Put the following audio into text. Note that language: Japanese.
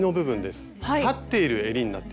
立っているえりになってます。